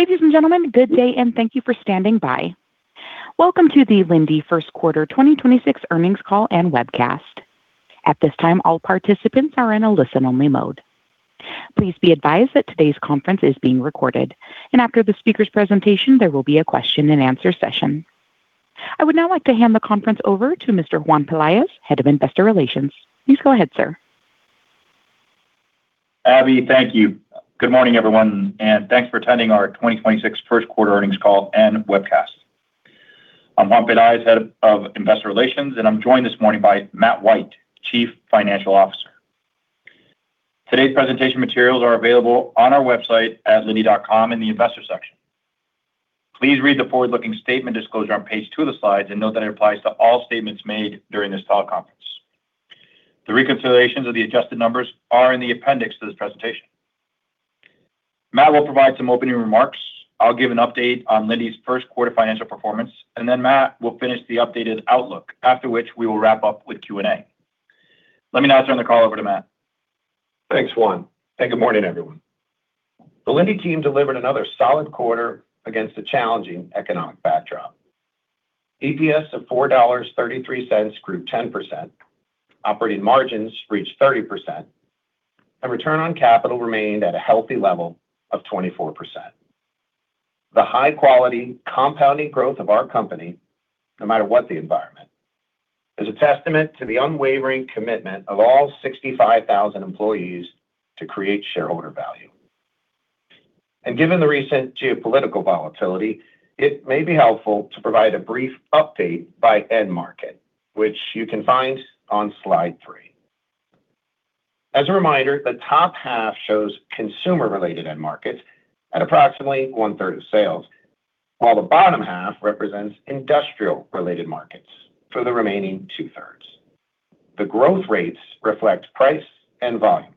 Ladies and gentlemen, good day, and thank you for standing by. Welcome to the Linde First Quarter 2026 Earnings Call and Webcast. At this time, all participants are in a listen-only mode. Please be advised that today's conference is being recorded, and after the speakers' presentation, there will be a question and answer session. I would now like to hand the conference over to Mr. Juan Pelaez, Head of Investor Relations. Please go ahead, sir. Abby, thank you. Good morning, everyone, and thanks for attending our 2026 first quarter earnings call and webcast. I'm Juan Pelaez, Head of Investor Relations, and I'm joined this morning by Matt White, Chief Financial Officer. Today's presentation materials are available on our website at linde.com in the investor section. Please read the forward-looking statement disclosure on page two of the slides and note that it applies to all statements made during this teleconference. The reconciliations of the adjusted numbers are in the appendix to this presentation. Matt will provide some opening remarks. I'll give an update on Linde's first quarter financial performance, and then Matt will finish the updated outlook, after which we will wrap up with Q&A. Let me now turn the call over to Matt. Thanks, Juan. Good morning, everyone. The Linde team delivered another solid quarter against a challenging economic backdrop. EPS of $4.33 grew 10%. Operating margins reached 30%, and return on capital remained at a healthy level of 24%. The high-quality compounding growth of our company, no matter what the environment, is a testament to the unwavering commitment of all 65,000 employees to create shareholder value. Given the recent geopolitical volatility, it may be helpful to provide a brief update by end market, which you can find on slide three. As a reminder, the top half shows consumer-related end markets at approximately 1/3 of sales, while the bottom half represents industrial-related markets for the remaining 2/3. The growth rates reflect price and volume,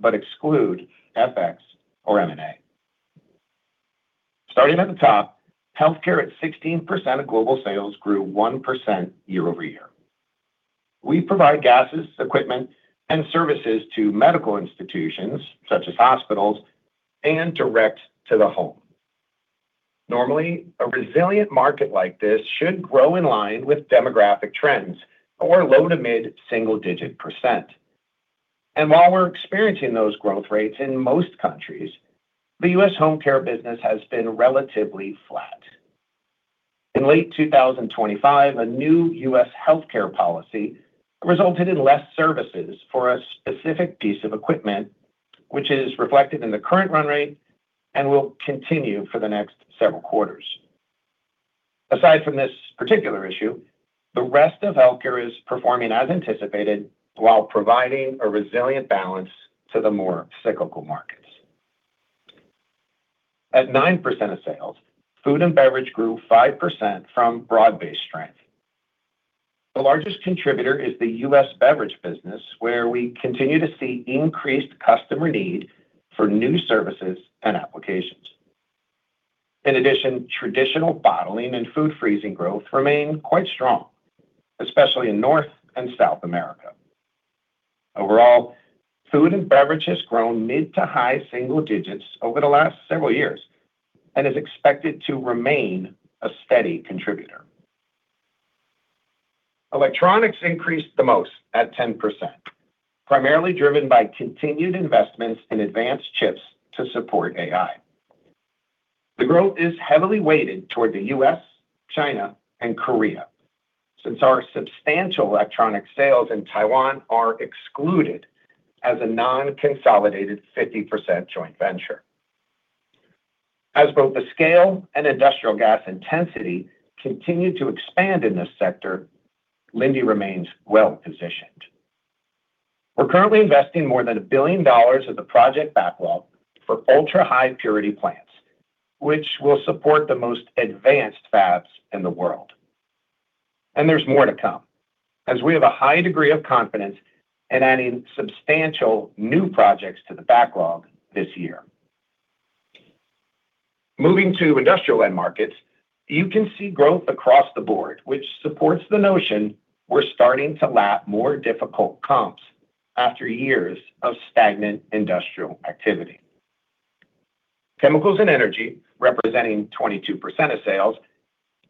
but exclude FX or M&A. Starting at the top, healthcare at 16% of global sales grew 1% year-over-year. We provide gases, equipment, and services to medical institutions, such as hospitals and direct to the home. Normally, a resilient market like this should grow in line with demographic trends or low to mid-single-digit percent. While we're experiencing those growth rates in most countries, the U.S. home care business has been relatively flat. In late 2025, a new U.S. healthcare policy resulted in less services for a specific piece of equipment, which is reflected in the current run rate and will continue for the next several quarters. Aside from this particular issue, the rest of healthcare is performing as anticipated while providing a resilient balance to the more cyclical markets. At 9% of sales, food and beverage grew 5% from broad-based strength. The largest contributor is the U.S. beverage business, where we continue to see increased customer need for new services and applications. In addition, traditional bottling and food freezing growth remain quite strong, especially in North and South America. Overall, food and beverage has grown mid to high single digits over the last several years and is expected to remain a steady contributor. Electronics increased the most at 10%, primarily driven by continued investments in advanced chips to support AI. The growth is heavily weighted toward the U.S., China, and Korea, since our substantial electronic sales in Taiwan are excluded as a non-consolidated 50% joint venture. As both the scale and industrial gas intensity continue to expand in this sector, Linde remains well-positioned. We're currently investing more than $1 billion of the project backlog for ultra-high purity plants, which will support the most advanced fabs in the world. There's more to come, as we have a high degree of confidence in adding substantial new projects to the backlog this year. Moving to industrial end markets, you can see growth across the board, which supports the notion we're starting to lap more difficult comps after years of stagnant industrial activity. Chemicals and energy, representing 22% of sales,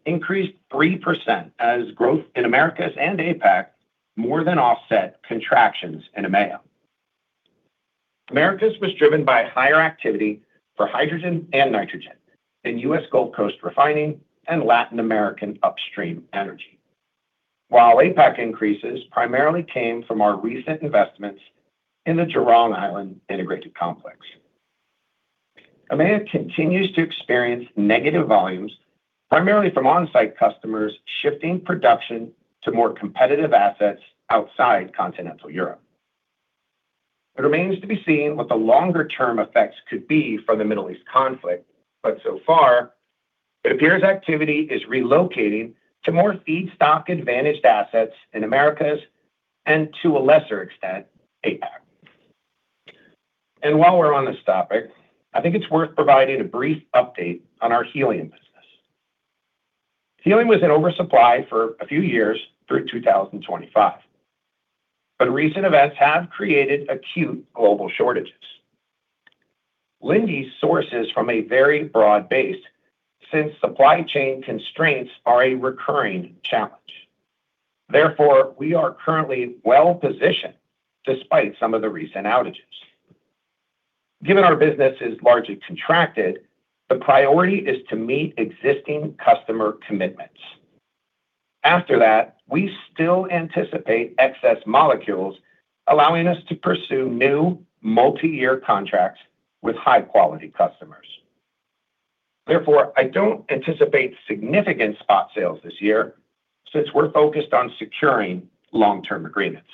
increased 3% as growth in Americas and APAC more than offset contractions in EMEA. Americas was driven by higher activity for hydrogen and nitrogen in U.S. Gulf Coast refining and Latin American upstream energy. While APAC increases primarily came from our recent investments in the Jurong Island integrated complex. EMEA continues to experience negative volumes, primarily from on-site customers shifting production to more competitive assets outside continental Europe. It remains to be seen what the longer-term effects could be for the Middle East conflict, but so far, it appears activity is relocating to more feedstock-advantaged assets in Americas and, to a lesser extent, APAC. While we're on this topic, I think it's worth providing a brief update on our helium position. Dealing with an oversupply for a few years through 2025. Recent events have created acute global shortages. Linde sources from a very broad base since supply chain constraints are a recurring challenge. Therefore, we are currently well-positioned despite some of the recent outages. Given our business is largely contracted, the priority is to meet existing customer commitments. After that, we still anticipate excess molecules, allowing us to pursue new multi-year contracts with high-quality customers. Therefore, I don't anticipate significant spot sales this year since we're focused on securing long-term agreements.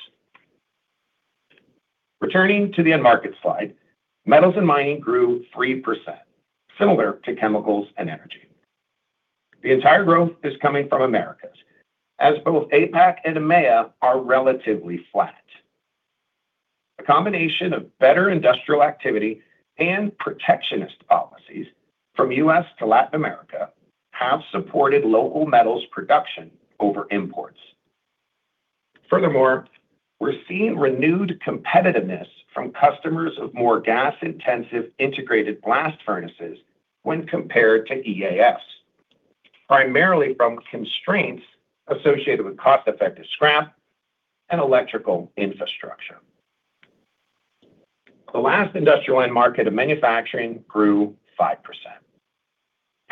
Returning to the end market slide, metals and mining grew 3%, similar to chemicals and energy. The entire growth is coming from Americas, as both APAC and EMEA are relatively flat. A combination of better industrial activity and protectionist policies from U.S. to Latin America have supported local metals production over imports. Furthermore, we're seeing renewed competitiveness from customers of more gas-intensive integrated blast furnaces when compared to EAFs, primarily from constraints associated with cost-effective scrap and electrical infrastructure. The last industrial end market of manufacturing grew 5%.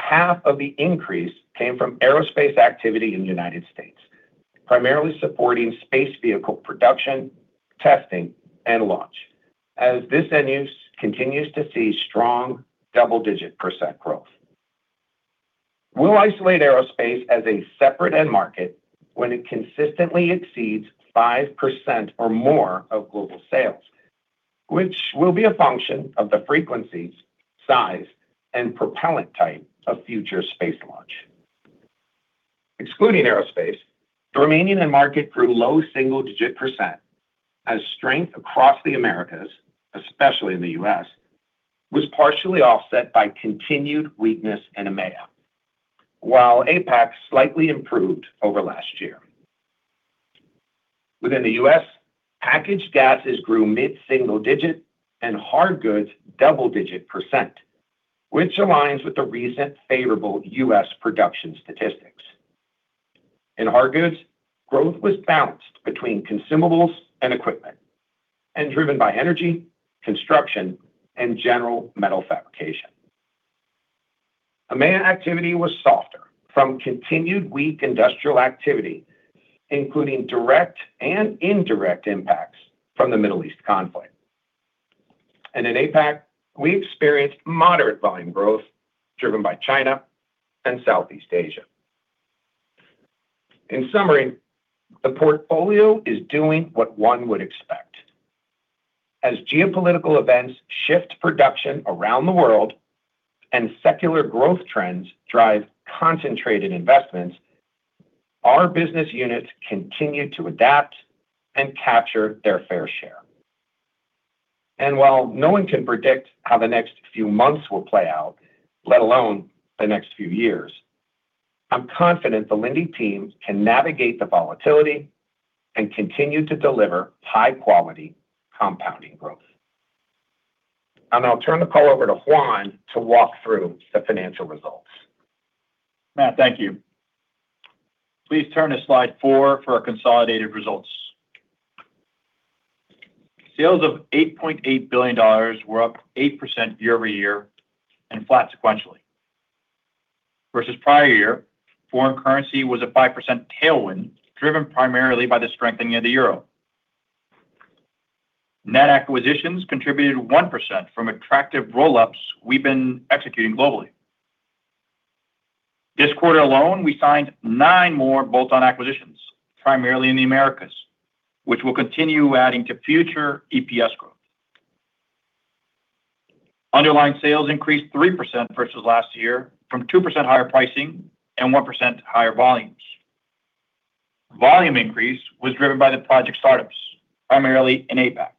Half of the increase came from aerospace activity in the United States, primarily supporting space vehicle production, testing, and launch as this end use continues to see strong double-digit percent growth. We'll isolate aerospace as a separate end market when it consistently exceeds 5% or more of global sales, which will be a function of the frequencies, size, and propellant type of future space launch. Excluding aerospace, the remaining end market grew low single-digit percent as strength across the Americas, especially in the U.S., was partially offset by continued weakness in EMEA. While APAC slightly improved over last year. Within the U.S., packaged gases grew mid-single digit and hard goods double-digit percent, which aligns with the recent favorable U.S. production statistics. In hard goods, growth was balanced between consumables and equipment and driven by energy, construction, and general metal fabrication. EMEA activity was softer from continued weak industrial activity, including direct and indirect impacts from the Middle East conflict. In APAC, we experienced moderate volume growth driven by China and Southeast Asia. In summary, the portfolio is doing what one would expect. As geopolitical events shift production around the world and secular growth trends drive concentrated investments, our business units continue to adapt and capture their fair share. While no one can predict how the next few months will play out, let alone the next few years, I'm confident the Linde team can navigate the volatility and continue to deliver high-quality compounding growth. I'll turn the call over to Juan to walk through the financial results. Matt, thank you. Please turn to slide four for our consolidated results. Sales of $8.8 billion were up 8% year-over-year and flat sequentially. Versus prior year, foreign currency was a 5% tailwind, driven primarily by the strengthening of the euro. Net acquisitions contributed 1% from attractive roll-ups we've been executing globally. This quarter alone, we signed nine more bolt-on acquisitions, primarily in the Americas, which will continue adding to future EPS growth. Underlying sales increased 3% versus last year from 2% higher pricing and 1% higher volumes. Volume increase was driven by the project startups, primarily in APAC.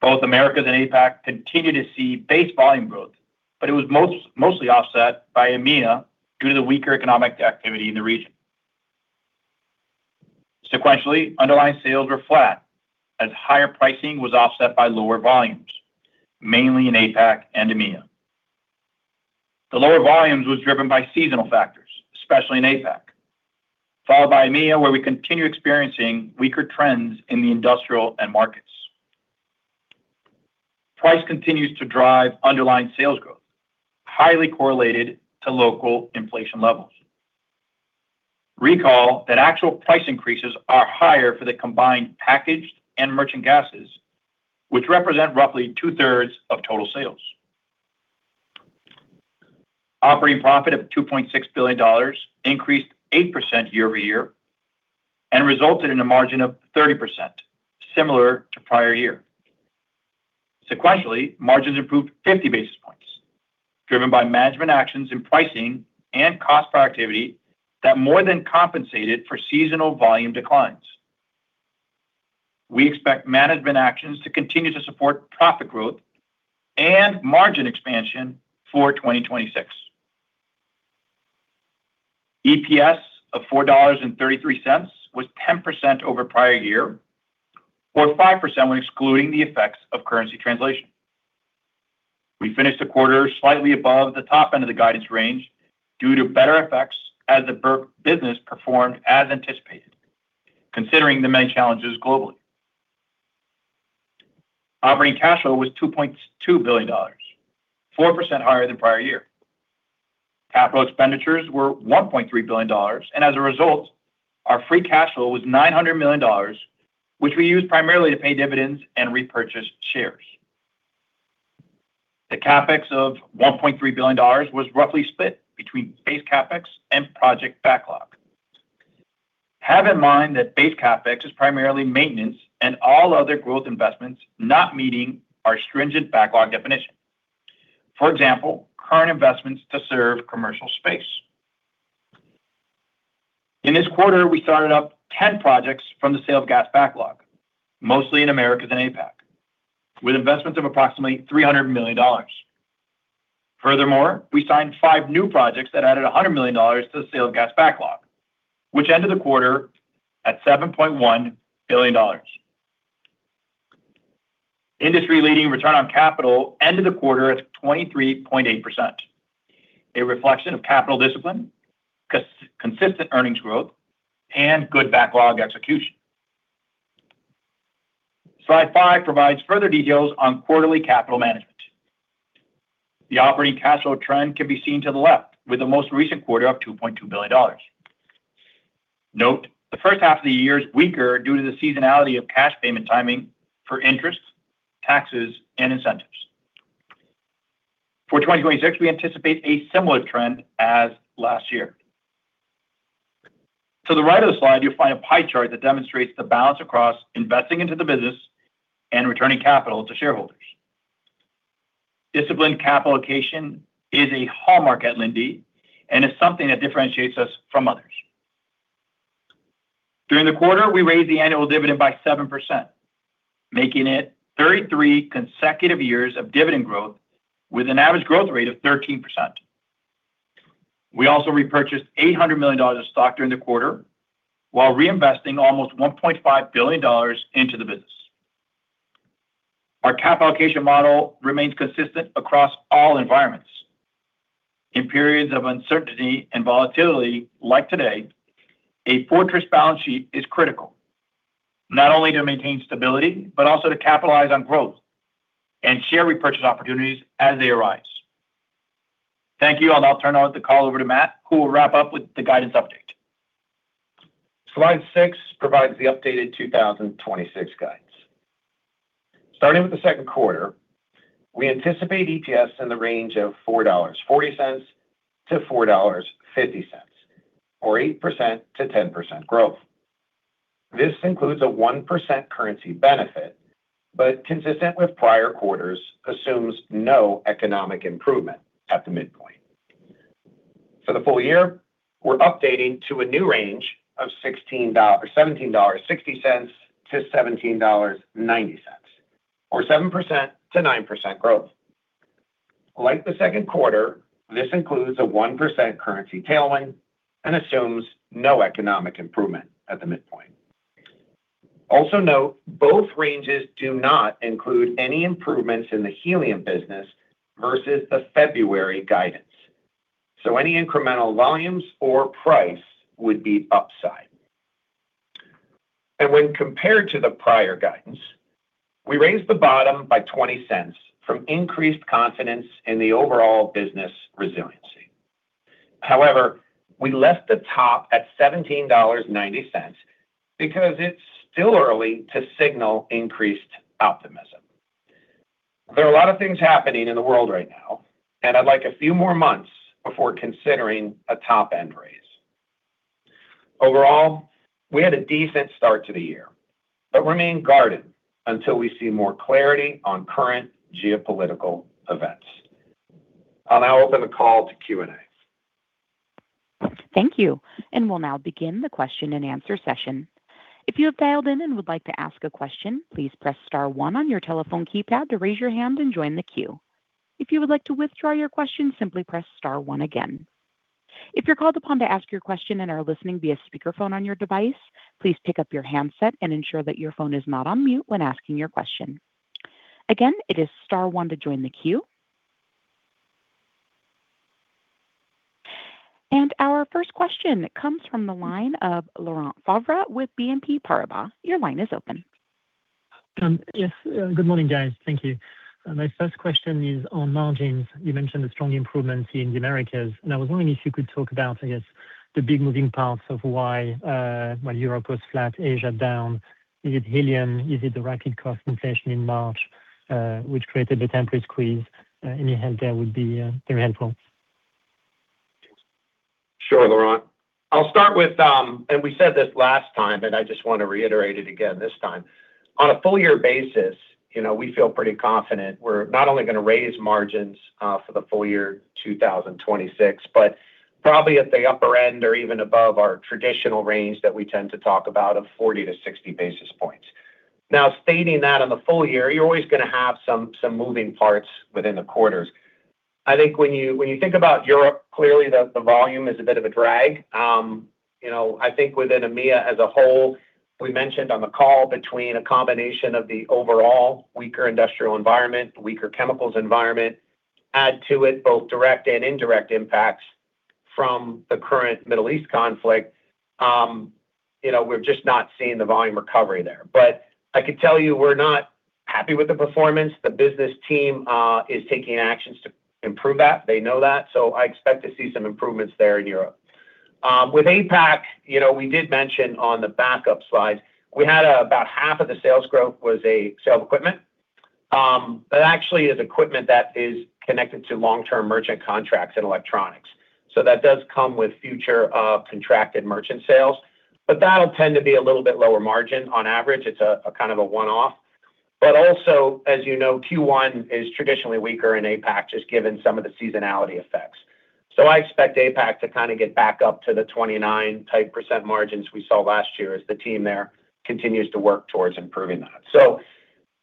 Both Americas and APAC continue to see base volume growth, but it was mostly offset by EMEA due to the weaker economic activity in the region. Sequentially, underlying sales were flat as higher pricing was offset by lower volumes, mainly in APAC and EMEA. The lower volumes was driven by seasonal factors, especially in APAC, followed by EMEA, where we continue experiencing weaker trends in the industrial end markets. Price continues to drive underlying sales growth, highly correlated to local inflation levels. Recall that actual price increases are higher for the combined packaged and merchant gases, which represent roughly 2/3 of total sales. Operating profit of $2.6 billion increased 8% year-over-year and resulted in a margin of 30%, similar to prior year. Sequentially, margins improved 50 basis points, driven by management actions in pricing and cost productivity that more than compensated for seasonal volume declines. We expect management actions to continue to support profit growth and margin expansion for 2026. EPS of $4.33 was 10% over prior year or 5% when excluding the effects of currency translation. We finished the quarter slightly above the top end of the guidance range due to better effects as the bulk business performed as anticipated, considering the many challenges globally. Operating cash flow was $2.2 billion, 4% higher than prior year. CapEx were $1.3 billion, and as a result, our free cash flow was $900 million, which we used primarily to pay dividends and repurchase shares. The CapEx of $1.3 billion was roughly split between base CapEx and project backlog. Have in mind that base CapEx is primarily maintenance and all other growth investments not meeting our stringent backlog definition. For example, current investments to serve commercial space. In this quarter, we started up 10 projects from the sale of gas backlog, mostly in Americas and APAC, with investments of approximately $300 million. Furthermore, we signed five new projects that added $100 million to the sale of gas backlog, which ended the quarter at $7.1 billion. Industry-leading return on capital ended the quarter at 23.8%, a reflection of capital discipline, consistent earnings growth and good backlog execution. Slide five provides further details on quarterly capital management. The operating cash flow trend can be seen to the left with the most recent quarter of $2.2 billion. Note, the first half of the year is weaker due to the seasonality of cash payment timing for interest, taxes and incentives. For 2026, we anticipate a similar trend as last year. To the right of the slide, you'll find a pie chart that demonstrates the balance across investing into the business and returning capital to shareholders. Disciplined capital allocation is a hallmark at Linde, and it's something that differentiates us from others. During the quarter, we raised the annual dividend by 7%, making it 33 consecutive years of dividend growth with an average growth rate of 13%. We also repurchased $800 million of stock during the quarter while reinvesting almost $1.5 billion into the business. Our capital allocation model remains consistent across all environments. In periods of uncertainty and volatility like today, a fortress balance sheet is critical, not only to maintain stability, but also to capitalize on growth and share repurchase opportunities as they arise. Thank you, and I'll turn the call over to Matt, who will wrap up with the guidance update. Slide six provides the updated 2026 guides. Starting with the second quarter, we anticipate EPS in the range of $4.40-$4.50 or 8%-10% growth. This includes a 1% currency benefit, but consistent with prior quarters, assumes no economic improvement at the midpoint. For the full year, we're updating to a new range of $17.60-$17.90 or 7%-9% growth. Like the second quarter, this includes a 1% currency tailwind and assumes no economic improvement at the midpoint. Also note, both ranges do not include any improvements in the helium business versus the February guidance, so any incremental volumes or price would be upside. When compared to the prior guidance, we raised the bottom by $0.20 from increased confidence in the overall business resiliency. However, we left the top at $17.90 because it's still early to signal increased optimism. There are a lot of things happening in the world right now, and I'd like a few more months before considering a top-end raise. Overall, we had a decent start to the year, but remain guarded until we see more clarity on current geopolitical events. I'll now open the call to Q&A. Thank you. We'll now begin the question and answer session. If you have dialed in and would like to ask a question, please press star one on your telephone keypad to raise your hand and join the queue. If you would like to withdraw your question, simply press star one again. If you're called upon to ask your question and are listening via speakerphone on your device, please pick up your handset and ensure that your phone is not on mute when asking your question. Again, it is star one to join the queue. Our first question comes from the line of Laurent Favre with BNP Paribas. Your line is open. Yes. Good morning, guys. Thank you. My first question is on margins. You mentioned the strong improvements in the Americas, and I was wondering if you could talk about, I guess, the big moving parts of why Europe was flat, Asia down. Is it helium? Is it the rapid cost inflation in March, which created a temporary squeeze? Any help there would be very helpful. Sure, Laurent. I'll start with, and we said this last time, and I just want to reiterate it again this time. On a full year basis, you know, we feel pretty confident we're not only going to raise margins for the full year 2026, but probably at the upper end or even above our traditional range that we tend to talk about of 40 to 60 basis points. Now stating that on the full year, you're always gonna have some moving parts within the quarters. I think when you, when you think about Europe, clearly the volume is a bit of a drag. You know, I think within EMEA as a whole, we mentioned on the call between a combination of the overall weaker industrial environment, weaker chemicals environment, add to it both direct and indirect impacts from the current Middle East conflict, you know, we're just not seeing the volume recovery there. I could tell you we're not happy with the performance. The business team is taking actions to improve that. They know that. I expect to see some improvements there in Europe. With APAC, you know, we did mention on the backup slide, we had about 0.5% of the sales growth was a sale of equipment. Actually is equipment that is connected to long-term merchant contracts and electronics. That does come with future contracted merchant sales. That'll tend to be a little bit lower margin on average. It's a kind of a one-off. Also, as you know, Q1 is traditionally weaker in APAC, just given some of the seasonality effects. I expect APAC to kind of get back up to the 29% type margins we saw last year as the team there continues to work towards improving that.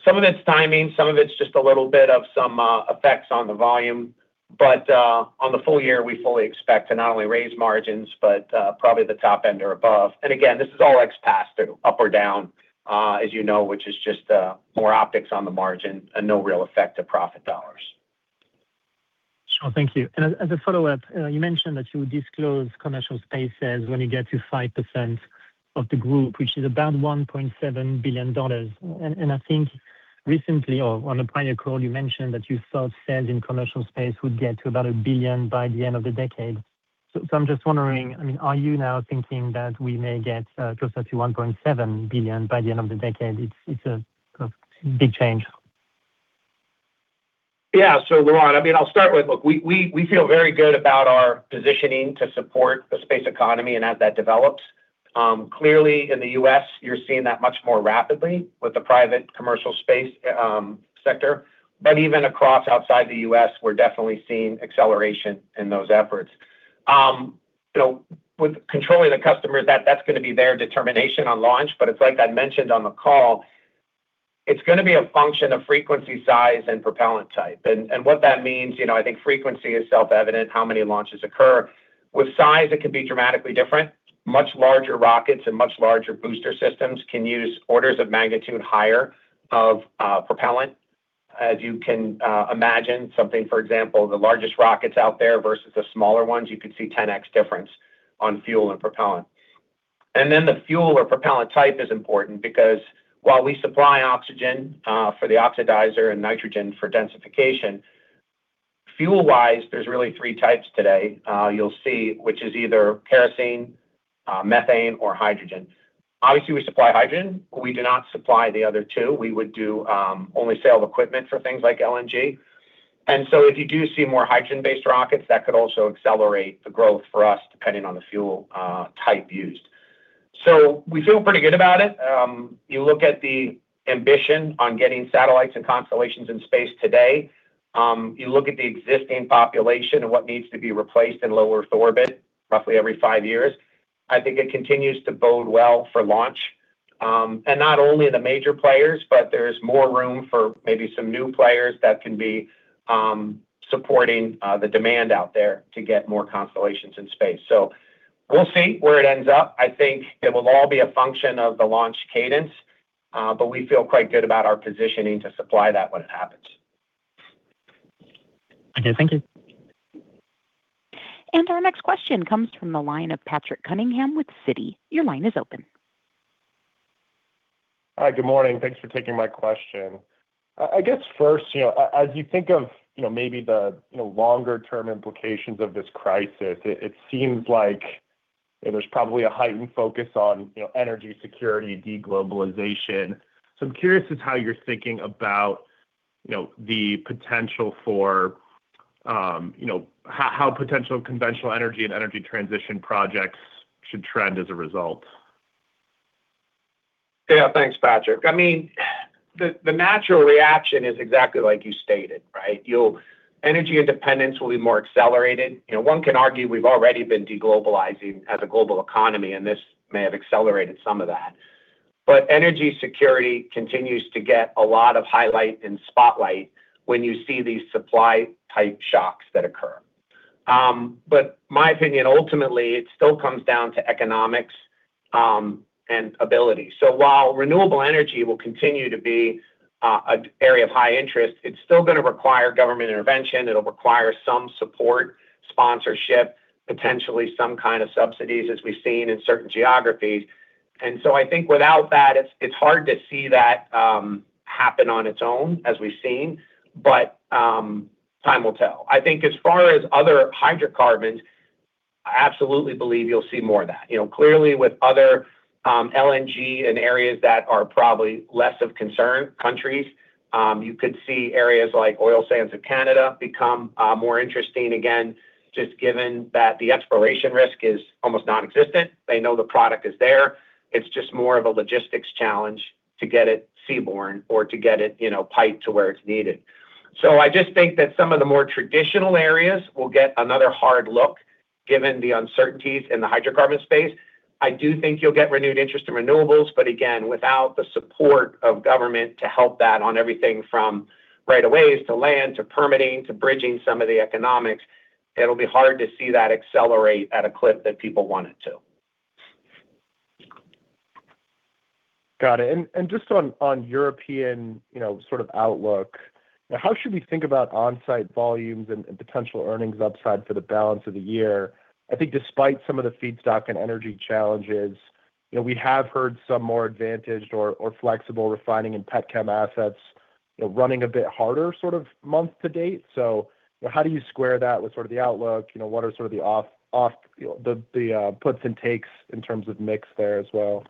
Some of it's timing, some of it's just a little bit of some effects on the volume. On the full year, we fully expect to not only raise margins, probably the top end or above. Again, this is all X pass-through, up or down, as you know, which is more optics on the margin and no real effect to profit dollars. Sure. Thank you. As a follow-up, you mentioned that you disclose commercial space sales when you get to 5% of the group, which is about $1.7 billion. I think recently or on a prior call, you mentioned that you thought sales in commercial space would get to about $1 billion by the end of the decade. I'm just wondering, I mean, are you now thinking that we may get closer to $1.7 billion by the end of the decade? It's a big change. Yeah. Laurent, I mean, I'll start with, look, we feel very good about our positioning to support the space economy and as that develops. Clearly in the U.S., you're seeing that much more rapidly with the private commercial space sector. Even across outside the U.S., we're definitely seeing acceleration in those efforts. You know, with controlling the customers, that's gonna be their determination on launch. It's like I mentioned on the call, it's gonna be a function of frequency, size, and propellant type. What that means, you know, I think frequency is self-evident, how many launches occur. With size, it can be dramatically different. Much larger rockets and much larger booster systems can use orders of magnitude higher of propellant. As you can imagine something, for example, the largest rockets out there versus the smaller ones, you could see 10x difference on fuel and propellant. The fuel or propellant type is important because while we supply oxygen for the oxidizer and nitrogen for densification, fuel-wise, there's really three types today you'll see, which is either kerosene, methane or hydrogen. Obviously, we supply hydrogen. We do not supply the other two. We would do only sale of equipment for things like LNG. If you do see more hydrogen-based rockets, that could also accelerate the growth for us depending on the fuel type used. We feel pretty good about it. You look at the ambition on getting satellites and constellations in space today, you look at the existing population and what needs to be replaced in low Earth orbit roughly every five years, I think it continues to bode well for launch. Not only the major players, but there's more room for maybe some new players that can be supporting the demand out there to get more constellations in space. We'll see where it ends up. I think it will all be a function of the launch cadence, but we feel quite good about our positioning to supply that when it happens. Okay. Thank you. Our next question comes from the line of Patrick Cunningham with Citi. Your line is open. Hi. Good morning. Thanks for taking my question. I guess first, you know, as you think of, you know, maybe the, you know, longer term implications of this crisis, it seems like, you know, there's probably a heightened focus on, you know, energy security, de-globalization. I'm curious as how you're thinking about, you know, the potential for, you know, how potential conventional energy and energy transition projects should trend as a result. Yeah. Thanks, Patrick. I mean, the natural reaction is exactly like you stated, right? Energy independence will be more accelerated. You know, one can argue we've already been de-globalizing as a global economy, and this may have accelerated some of that. Energy security continues to get a lot of highlight and spotlight when you see these supply type shocks that occur. My opinion, ultimately, it still comes down to economics and ability. While renewable energy will continue to be an area of high interest, it's still gonna require government intervention. It'll require some support, sponsorship, potentially some kind of subsidies as we've seen in certain geographies. I think without that, it's hard to see that happen on its own as we've seen, time will tell. I think as far as other hydrocarbons, I absolutely believe you'll see more of that. You know, clearly with other LNG in areas that are probably less of concern countries, you could see areas like oil sands of Canada become more interesting again, just given that the exploration risk is almost nonexistent. They know the product is there. It's just more of a logistics challenge to get it seaborne or to get it, you know, piped to where it's needed. I just think that some of the more traditional areas will get another hard look given the uncertainties in the hydrocarbon space. I do think you'll get renewed interest in renewables, but again, without the support of government to help that on everything from right aways to land, to permitting, to bridging some of the economics, it'll be hard to see that accelerate at a clip that people want it to. Got it. Just on European, you know, sort of outlook, how should we think about onsite volumes and potential earnings upside for the balance of the year? I think despite some of the feedstock and energy challenges, you know, we have heard some more advantaged or flexible refining and pet chem assets, you know, running a bit harder sort of month to date. You know, how do you square that with sort of the outlook? You know, what are sort of the puts and takes in terms of mix there as well?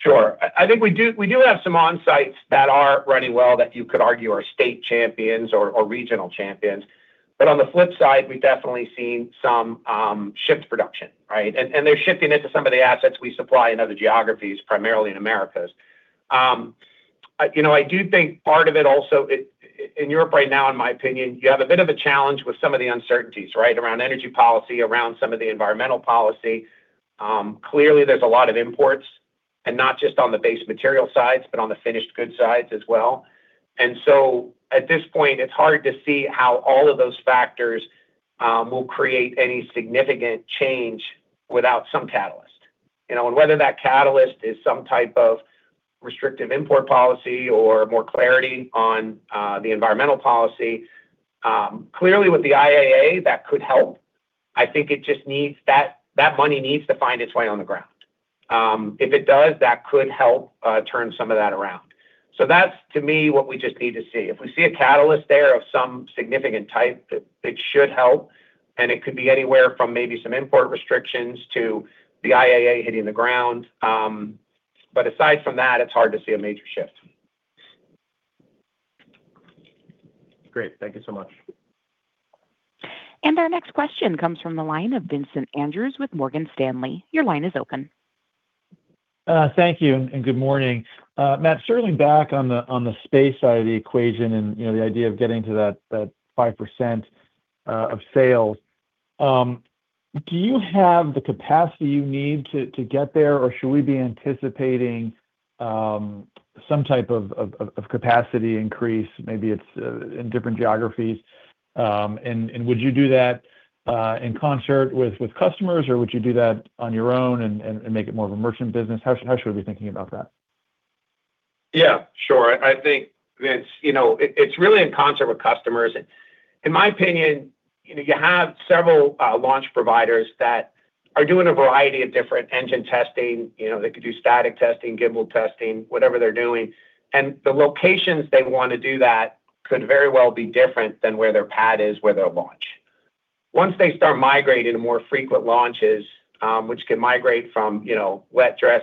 Sure. I think we do have some onsites that are running well that you could argue are state champions or regional champions. On the flip side, we've definitely seen some shift production, right? They're shifting it to some of the assets we supply in other geographies, primarily in Americas. I, you know, I do think part of it also in Europe right now, in my opinion, you have a bit of a challenge with some of the uncertainties, right? Around energy policy, around some of the environmental policy. Clearly there's a lot of imports, not just on the base material sides, but on the finished good sides as well. At this point, it's hard to see how all of those factors will create any significant change without some catalyst. You know, whether that catalyst is some type of restrictive import policy or more clarity on the environmental policy, clearly with the IAA, that could help. I think it just needs that money needs to find its way on the ground. If it does, that could help turn some of that around. That's to me what we just need to see. If we see a catalyst there of some significant type, it should help. It could be anywhere from maybe some import restrictions to the IAA hitting the ground. Aside from that, it's hard to see a major shift. Great. Thank you so much. Our next question comes from the line of Vincent Andrews with Morgan Stanley. Your line is open. Thank you and good morning. Matt, circling back on the space side of the equation and, you know, the idea of getting to that 5% of sales, do you have the capacity you need to get there, or should we be anticipating some type of capacity increase, maybe it's in different geographies? Would you do that in concert with customers, or would you do that on your own and make it more of a merchant business? How should we be thinking about that? Yeah, sure. I think it's, you know, it's really in concert with customers. In my opinion, you know, you have several launch providers that are doing a variety of different engine testing. You know, they could do static testing, gimbal testing, whatever they're doing. The locations they wanna do that could very well be different than where their pad is, where they'll launch. Once they start migrating to more frequent launches, which can migrate from, you know, wet dress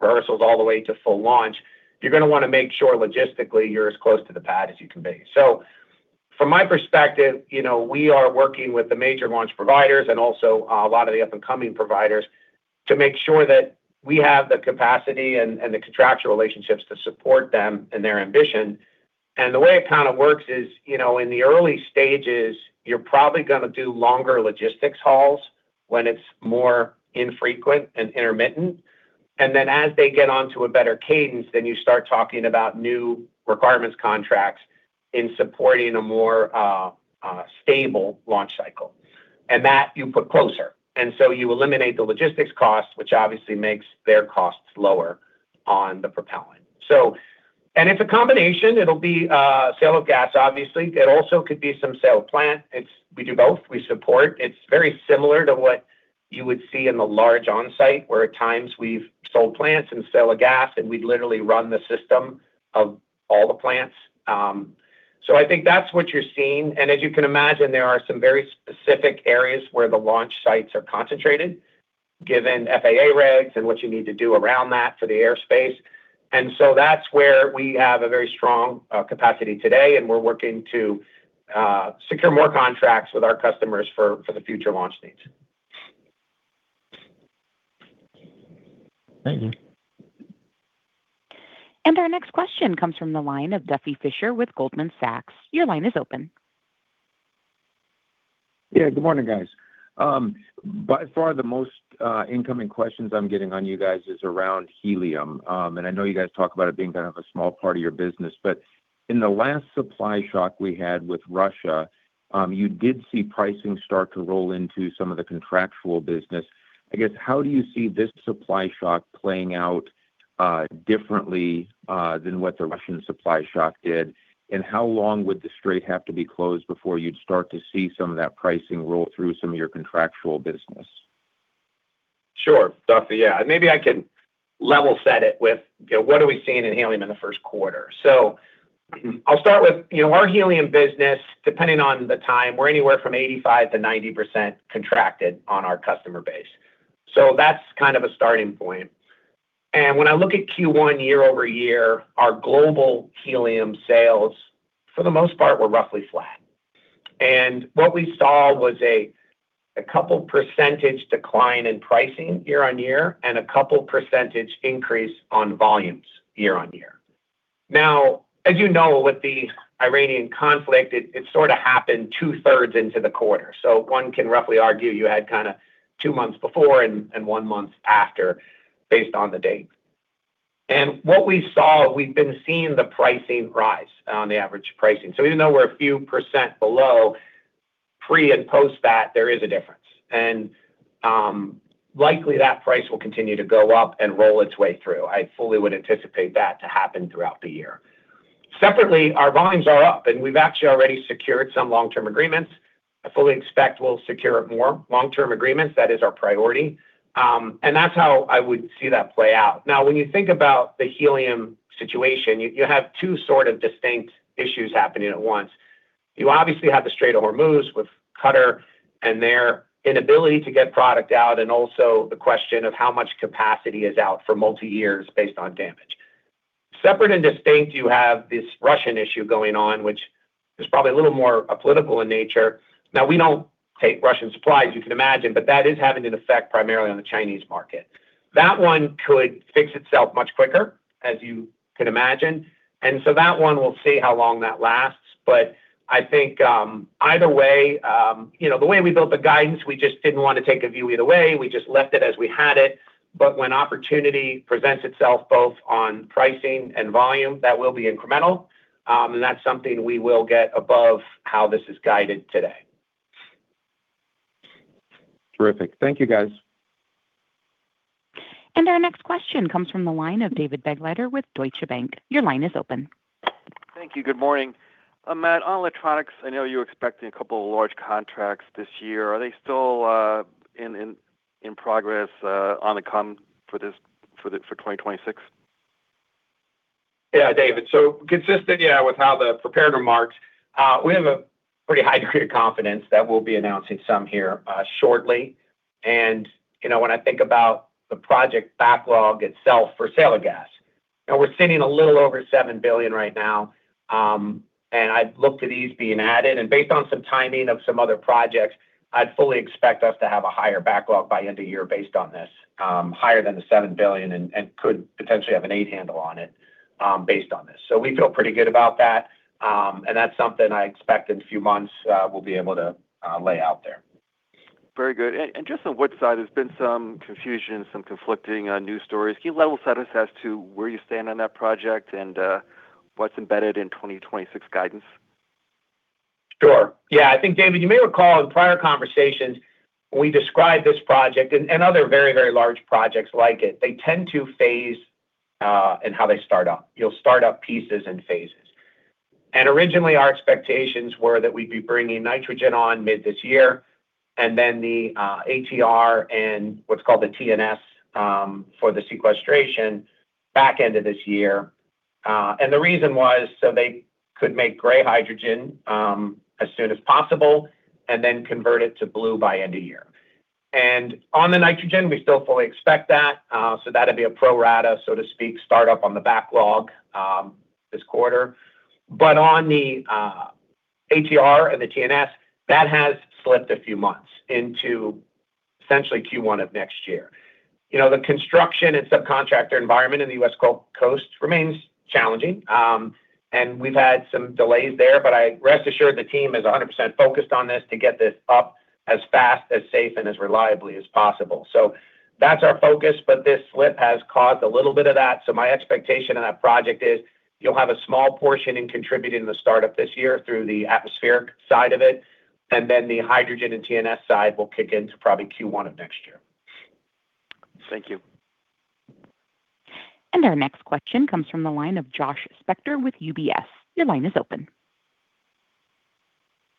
rehearsals all the way to full launch, you're gonna wanna make sure logistically you're as close to the pad as you can be. From my perspective, you know, we are working with the major launch providers and also a lot of the up-and-coming providers to make sure that we have the capacity and the contractual relationships to support them and their ambition. The way it kind of works is, you know, in the early stages, you're probably gonna do longer logistics hauls when it's more infrequent and intermittent. As they get onto a better cadence, then you start talking about new requirements contracts in supporting a more stable launch cycle. That you put closer. You eliminate the logistics cost, which obviously makes their costs lower on the propellant. It's a combination. It'll be sale of gas obviously. It also could be some sale of plant. We do both. We support. It's very similar to what you would see in the large onsite where at times we've sold plants and sell a gas, and we literally run the system of all the plants. I think that's what you're seeing. As you can imagine, there are some very specific areas where the launch sites are concentrated given FAA regs and what you need to do around that for the airspace. That's where we have a very strong capacity today, and we're working to secure more contracts with our customers for the future launch dates. Thank you. Our next question comes from the line of Duffy Fischer with Goldman Sachs. Your line is open. Yeah, good morning, guys. By far the most incoming questions I'm getting on you guys is around helium. I know you guys talk about it being kind of a small part of your business, but in the last supply shock we had with Russia, you did see pricing start to roll into some of the contractual business. I guess how do you see this supply shock playing out differently than what the Russian supply shock did? How long would the strait have to be closed before you'd start to see some of that pricing roll through some of your contractual business? Sure, Duffy. Maybe I can level set it with, you know, what are we seeing in helium in the first quarter. I'll start with, you know, our helium business, depending on the time, we're anywhere from 85% to 90% contracted on our customer base. That's kind of a starting point. When I look at Q1 year-over-year, our global helium sales, for the most part, were roughly flat. And what we saw was a couple percentage decline in pricing year-on-year and a couple percentage increase on volumes year-on-year. As you know, with the Iranian conflict, it sort of happened 2/3 into the quarter. One can roughly argue you had kind of two months before and one month after based on the dates. What we saw, we've been seeing the pricing rise on the average pricing. Even though we're a few percent below, pre and post that, there is a difference. Likely that price will continue to go up and roll its way through. I fully would anticipate that to happen throughout the year. Separately, our volumes are up, and we've actually already secured some long-term agreements. I fully expect we'll secure more long-term agreements. That is our priority. That's how I would see that play out. Now, when you think about the helium situation, you have two sort of distinct issues happening at once. You obviously have the Strait of Hormuz with Qatar and their inability to get product out and also the question of how much capacity is out for multi-years based on damage. Separate and distinct, you have this Russian issue going on, which is probably a little more political in nature. We don't take Russian supplies, you can imagine, but that is having an effect primarily on the Chinese market. That one could fix itself much quicker, as you can imagine. That one, we'll see how long that lasts. I think, either way, you know, the way we built the guidance, we just didn't want to take a view either way. We just left it as we had it. When opportunity presents itself both on pricing and volume, that will be incremental, and that's something we will get above how this is guided today. Terrific. Thank you, guys. Our next question comes from the line of David Begleiter with Deutsche Bank. Your line is open. Thank you. Good morning. Matt, on electronics, I know you're expecting a couple of large contracts this year. Are they still in progress, on to come for 2026? Yeah, David. Consistent, yeah, with how the prepared remarks, we have a pretty high degree of confidence that we'll be announcing some here shortly. You know, when I think about the project backlog itself for sale of gas, you know, we're sitting a little over $7 billion right now. I'd look to these being added. Based on some timing of some other projects, I'd fully expect us to have a higher backlog by end of year based on this, higher than the $7 billion and could potentially have an $8 handle on it based on this. We feel pretty good about that. That's something I expect in a few months, we'll be able to lay out there. Very good. Just on Woodside, there's been some confusion, some conflicting news stories. Can you level set us as to where you stand on that project and what's embedded in 2026 guidance? Sure. Yeah. I think, David, you may recall in prior conversations when we described this project and other very, very large projects like it, they tend to phase in how they start up. You'll start up pieces and phases. Originally, our expectations were that we'd be bringing nitrogen on mid this year and then the ATR and what's called the TNS for the sequestration back end of this year. The reason was so they could make gray hydrogen as soon as possible and then convert it to blue by end of year. On the nitrogen, we still fully expect that, so that'd be a pro rata, so to speak, start up on the backlog this quarter. On the ATR and the TNS, that has slipped a few months into essentially Q1 of next year. You know, the construction and subcontractor environment in the U.S. Gulf Coast remains challenging, and we've had some delays there, but rest assured the team is 100% focused on this to get this up as fast, as safe, and as reliably as possible. That's our focus, but this slip has caused a little bit of that. My expectation on that project is you'll have a small portion in contributing to the start-up this year through the atmospheric side of it, and then the hydrogen and TNS side will kick in to probably Q1 of next year. Thank you. Our next question comes from the line of Josh Spector with UBS. Your line is open.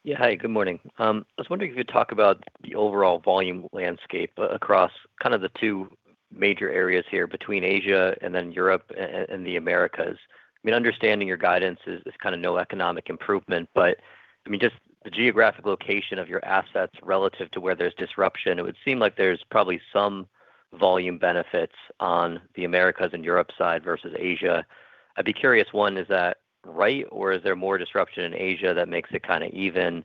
Yeah. Hi, good morning. I was wondering if you could talk about the overall volume landscape across kind of the two major areas here between Asia and then Europe and the Americas. I mean understanding your guidance is kind of no economic improvement, but I mean, just the geographic location of your assets relative to where there's disruption, it would seem like there's probably some volume benefits on the Americas and Europe side versus Asia. I'd be curious, one, is that right or is there more disruption in Asia that makes it kind of even?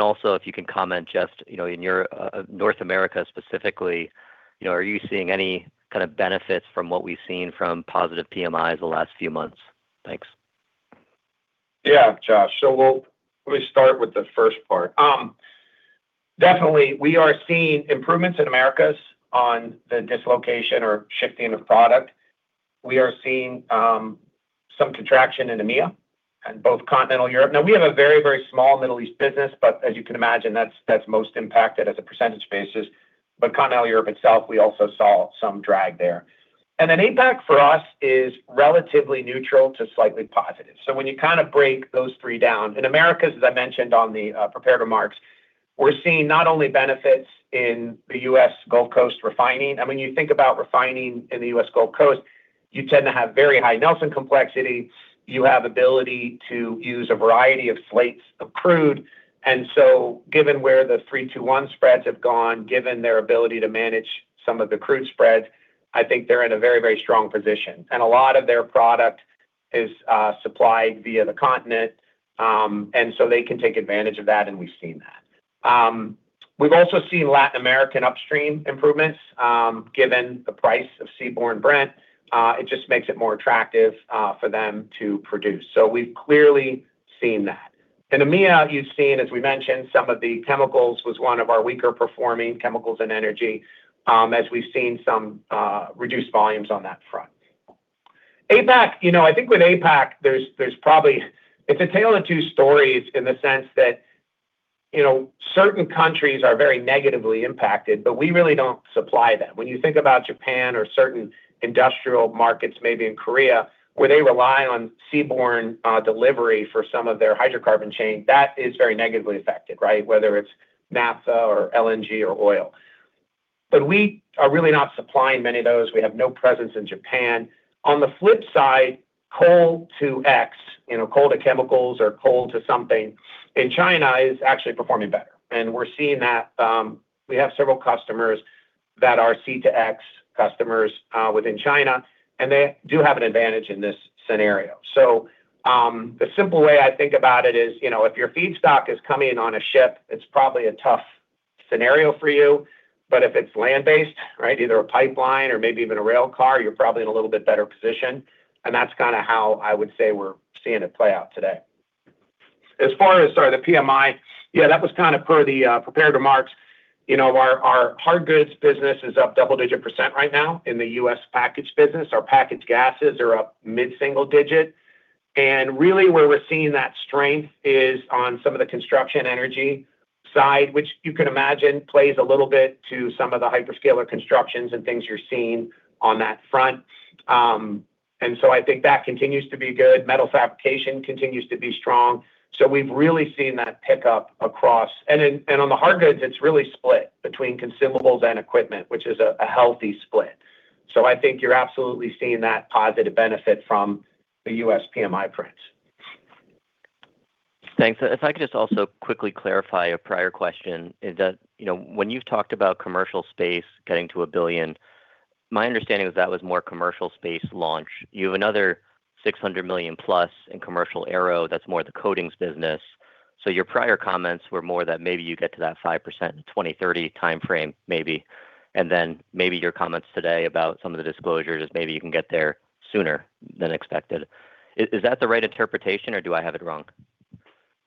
Also, if you can comment just, you know, in your North America specifically, you know, are you seeing any kind of benefits from what we've seen from positive PMIs the last few months? Thanks. Josh, let me start with the first part. Definitely we are seeing improvements in Americas on the dislocation or shifting of product. We are seeing some contraction in EMEA and both continental Europe. We have a very, very small Middle East business, but as you can imagine, that's most impacted as a percentage basis. Continental Europe itself, we also saw some drag there. APAC for us is relatively neutral to slightly positive. When you kind of break those three down, in Americas, as I mentioned on the prepared remarks, we're seeing not only benefits in the U.S. Gulf Coast refining. I mean, when you think about refining in the U.S. Gulf Coast, you tend to have very high Nelson Complexity. You have ability to use a variety of slates of crude. Given where the three-two-one spreads have gone, given their ability to manage some of the crude spreads. I think they're in a very, very strong position, and a lot of their product is supplied via the continent, and so they can take advantage of that, and we've seen that. We've also seen Latin American upstream improvements, given the price of seaborne Brent, it just makes it more attractive for them to produce. We've clearly seen that. In EMEA, you've seen, as we mentioned, some of the chemicals was one of our weaker performing chemicals and energy, as we've seen some reduced volumes on that front. APAC, you know, I think with APAC there's probably it's a tale of two stories in the sense that, you know, certain countries are very negatively impacted, but we really don't supply them. When you think about Japan or certain industrial markets, maybe in Korea, where they rely on seaborne delivery for some of their hydrocarbon chain, that is very negatively affected, right? Whether it's naphtha or LNG or oil. We are really not supplying many of those. We have no presence in Japan. On the flip side, Coal-to-X, you know, coal to chemicals or coal to something in China is actually performing better. We're seeing that, we have several customers that are Coal-to-X customers within China, and they do have an advantage in this scenario. The simple way I think about it is, you know, if your feedstock is coming in on a ship, it's probably a tough scenario for you. If it's land-based, right, either a pipeline or maybe even a rail car, you're probably in a little bit better position. That's kind of how I would say we're seeing it play out today. As far as, sorry, the PMI, yeah, that was kind of per the prepared remarks. You know, our hard goods business is up double-digit percent right now in the U.S. packaged business. Our packaged gases are up mid-single digit. Really where we're seeing that strength is on some of the construction energy side, which you can imagine plays a little bit to some of the hyperscaler constructions and things you're seeing on that front. I think that continues to be good. Metal fabrication continues to be strong. We've really seen that pickup across. On the hard goods, it's really split between consumables and equipment, which is a healthy split. I think you're absolutely seeing that positive benefit from the U.S. PMI prints. Thanks. If I could just also quickly clarify a prior question, is that, you know, when you've talked about commercial space getting to $1 billion, my understanding was that was more commercial space launch. You have another $600 million plus in commercial aero that's more the coatings business. Your prior comments were more that maybe you get to that 5% in 2030 timeframe, maybe. Maybe your comments today about some of the disclosures is maybe you can get there sooner than expected. Is that the right interpretation or do I have it wrong?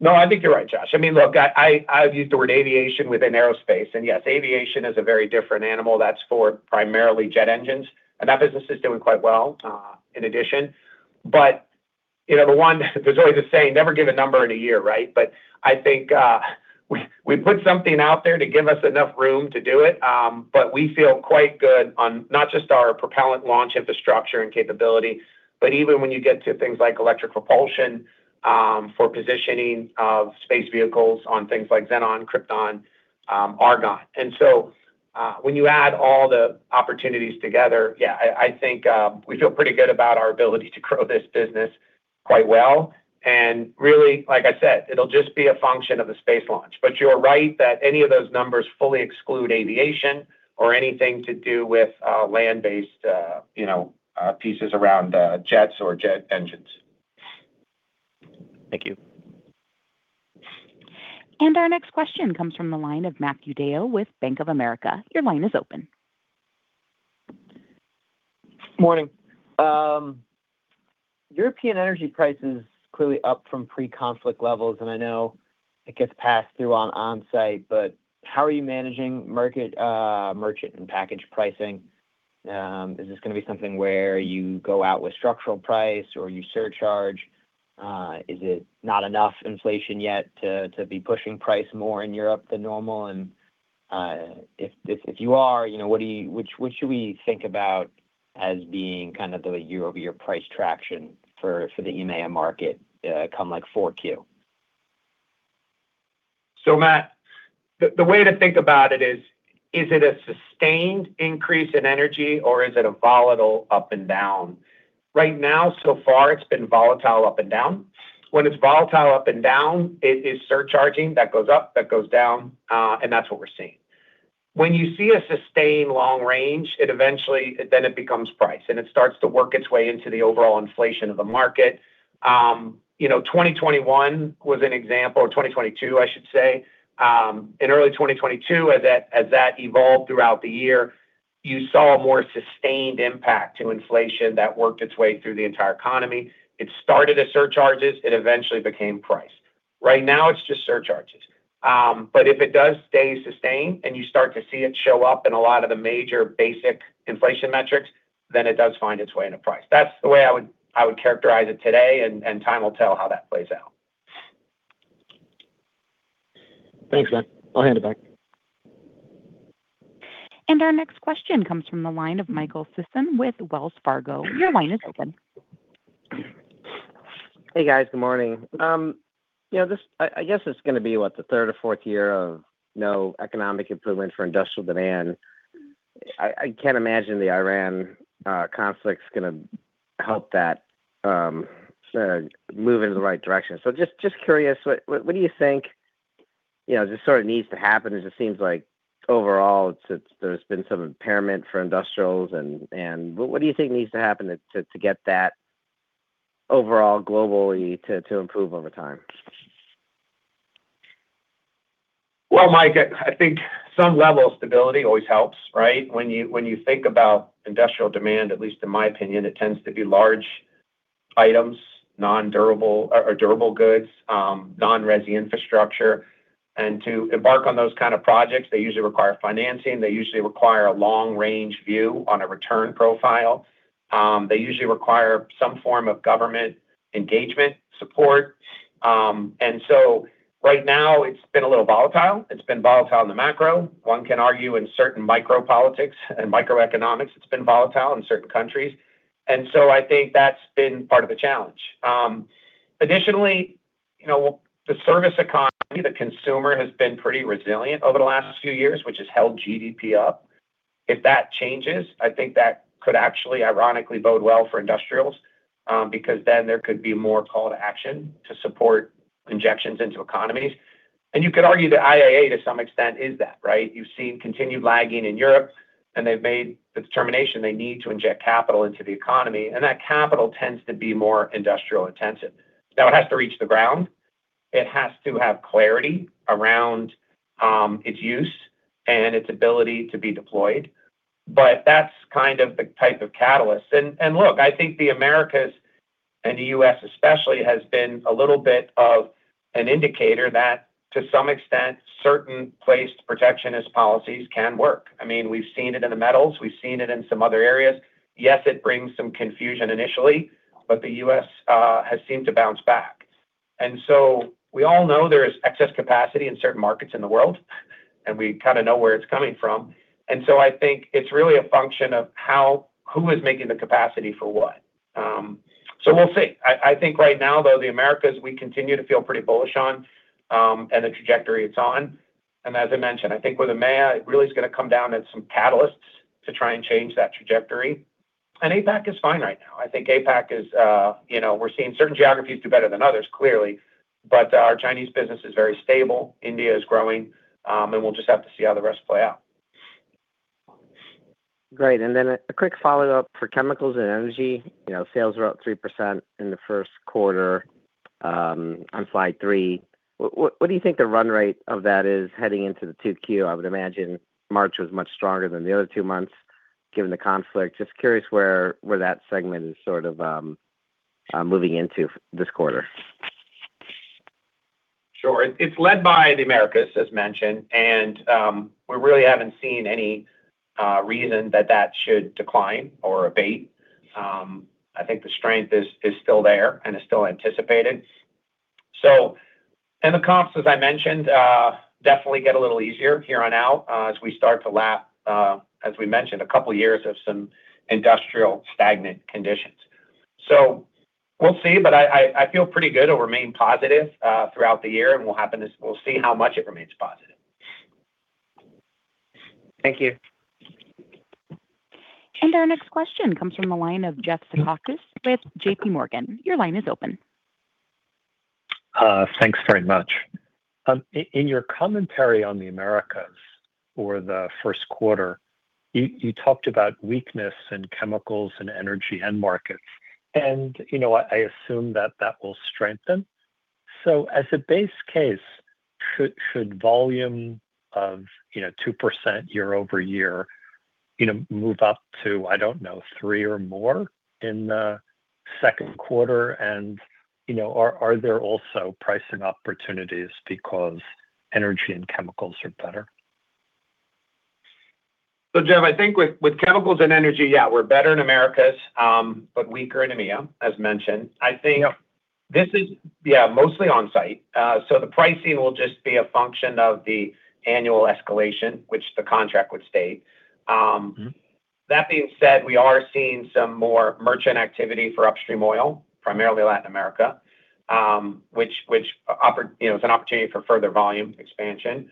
I think you're right, Josh. I mean, look, I've used the word aviation within aerospace. Yes, aviation is a very different animal. That's for primarily jet engines. That business is doing quite well in addition. You know, the one there's always a saying, never give a number and a year, right? I think we put something out there to give us enough room to do it. We feel quite good on not just our propellant launch infrastructure and capability, but even when you get to things like electric propulsion, for positioning of space vehicles on things like xenon, krypton, argon. When you add all the opportunities together, yeah, I think we feel pretty good about our ability to grow this business quite well. Really, like I said, it'll just be a function of the space launch. You're right that any of those numbers fully exclude aviation or anything to do with land-based, you know, pieces around jets or jet engines. Thank you. Our next question comes from the line of Matthew DeYoe with Bank of America. Your line is open. Morning. European energy prices clearly up from pre-conflict levels, and I know it gets passed through on onsite, but how are you managing market, merchant and package pricing? Is this gonna be something where you go out with structural price or you surcharge? Is it not enough inflation yet to be pushing price more in Europe than normal? If, if you are, you know, what should we think about as being kind of the year-over-year price traction for the EMA market, come like 4Q? Matt, the way to think about it is it a sustained increase in energy or is it a volatile up and down? Right now, so far, it's been volatile up and down. When it's volatile up and down, it is surcharging, that goes up, that goes down, and that's what we're seeing. When you see a sustained long range, it then becomes price, and it starts to work its way into the overall inflation of the market. You know, 2021 was an example, or 2022, I should say. In early 2022, as that evolved throughout the year, you saw a more sustained impact to inflation that worked its way through the entire economy. It started as surcharges, it eventually became price. Right now, it's just surcharges. If it does stay sustained and you start to see it show up in a lot of the major basic inflation metrics, then it does find its way into price. That's the way I would characterize it today, and time will tell how that plays out. Thanks, Matt. I'll hand it back. Our next question comes from the line of Michael Sison with Wells Fargo. Your line is open. Hey, guys. Good morning. You know, I guess it's gonna be, what, the third or fourth year of no economic improvement for industrial demand. I can't imagine the Iran conflict's gonna help that move in the right direction. Just curious, what do you think, you know, just sort of needs to happen, is it seems like overall it's there's been some impairment for industrials and what do you think needs to happen to get that overall globally to improve over time? Well, Mike, I think some level of stability always helps, right? When you think about industrial demand, at least in my opinion, it tends to be large items, non-durable or durable goods, non-resi infrastructure. To embark on those kind of projects, they usually require financing, they usually require a long-range view on a return profile. They usually require some form of government engagement support. Right now it's been a little volatile. It's been volatile in the macro. One can argue in certain micro politics and microeconomics, it's been volatile in certain countries. I think that's been part of the challenge. Additionally, you know, the service economy, the consumer has been pretty resilient over the last few years, which has held GDP up. If that changes, I think that could actually ironically bode well for industrials, because then there could be more call to action to support injections into economies. You could argue that IAA to some extent is that, right? You've seen continued lagging in Europe, and they've made the determination they need to inject capital into the economy, and that capital tends to be more industrial intensive. Now, it has to reach the ground. It has to have clarity around its use and its ability to be deployed. That's kind of the type of catalyst. Look, I think the Americas, and the U.S. especially, has been a little bit of an indicator that to some extent, certain placed protectionist policies can work. I mean, we've seen it in the metals, we've seen it in some other areas. Yes, it brings some confusion initially, the U.S. has seemed to bounce back. We all know there is excess capacity in certain markets in the world, and we kind of know where it's coming from. I think it's really a function of how, who is making the capacity for what. We'll see. I think right now though, the Americas, we continue to feel pretty bullish on, and the trajectory it's on. As I mentioned, I think with EMEA, it really is gonna come down to some catalysts to try and change that trajectory. APAC is fine right now. I think APAC is, you know, we're seeing certain geographies do better than others, clearly. Our Chinese business is very stable, India is growing, and we'll just have to see how the rest play out. Great. Then a quick follow-up for chemicals and energy. You know, sales are up 3% in the first quarter, on slide three. What do you think the run rate of that is heading into the 2Q? I would imagine March was much stronger than the other two months given the conflict. Just curious where that segment is sort of moving into this quarter. Sure. It's led by the Americas, as mentioned. We really haven't seen any reason that that should decline or abate. I think the strength is still there and is still anticipated. In the comps, as I mentioned, definitely get a little easier here on out, as we start to lap, as we mentioned, a couple of years of some industrial stagnant conditions. We'll see, but I feel pretty good it'll remain positive throughout the year. We'll see how much it remains positive. Thank you. Our next question comes from the line of Jeff Zekauskas with JPMorgan. Your line is open. Thanks very much. In your commentary on the Americas for the first quarter, you talked about weakness in chemicals and energy end markets. You know what? I assume that that will strengthen. As a base case, should volume of, you know, 2% year over year, you know, move up to, I don't know, 3% or more in the second quarter? You know, are there also pricing opportunities because energy and chemicals are better? Jeff, I think with chemicals and energy, yeah, we're better in Americas, but weaker in EMEA, as mentioned. This is, yeah, mostly on-site. The pricing will just be a function of the annual escalation, which the contract would state. That being said, we are seeing some more merchant activity for upstream oil, primarily Latin America, which, you know, is an opportunity for further volume expansion.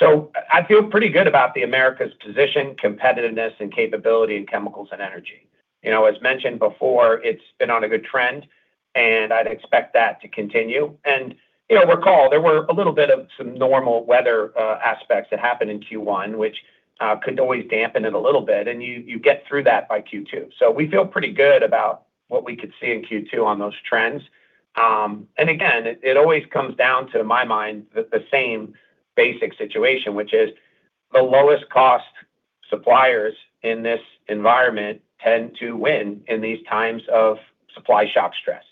I feel pretty good about the Americas position, competitiveness and capability in chemicals and energy. You know, as mentioned before, it's been on a good trend. I'd expect that to continue. You know, recall there were a little bit of some normal weather aspects that happened in Q1, which could always dampen it a little bit. You get through that by Q2. We feel pretty good about what we could see in Q2 on those trends. Again, it always comes down to, in my mind, the same basic situation, which is the lowest cost suppliers in this environment tend to win in these times of supply shock stress.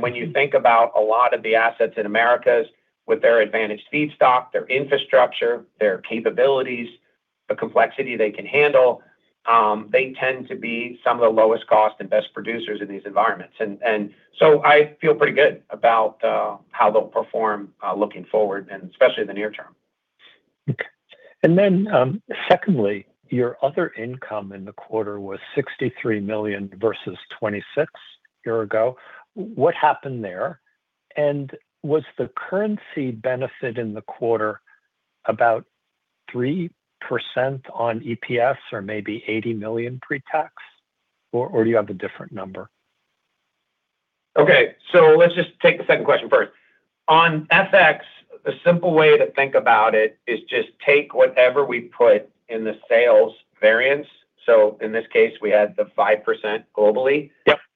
When you think about a lot of the assets in Americas with their advantage feedstock, their infrastructure, their capabilities, the complexity they can handle, they tend to be some of the lowest cost and best producers in these environments. I feel pretty good about how they'll perform looking forward and especially in the near term. Okay. Secondly, your other income in the quarter was $63 million versus $26 million a year ago. What happened there? Was the currency benefit in the quarter about 3% on EPS or maybe $80 million pre-tax, or do you have a different number? Okay. Let's just take the second question first. On FX, the simple way to think about it is just take whatever we put in the sales variance, in this case, we had the 5% globally.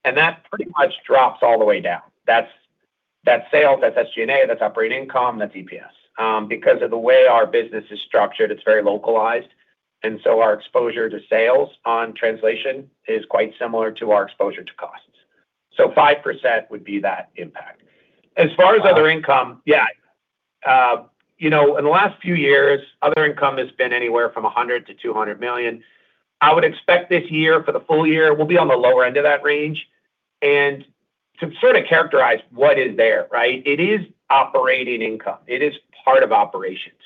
That pretty much drops all the way down. That's sales, that's SG&A, that's operating income, that's EPS. Because of the way our business is structured, it's very localized, our exposure to sales on translation is quite similar to our exposure to costs. 5% would be that impact. As far as other income, yeah. You know, in the last few years, other income has been anywhere from $100 million-$200 million. I would expect this year, for the full year, we'll be on the lower end of that range. To sort of characterize what is there, right? It is operating income. It is part of operations.